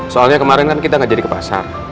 soalnya kemarin kan kita nggak jadi ke pasar